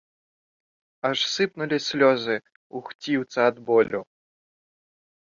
Аж сыпнулі слёзы у хціўца ад болю.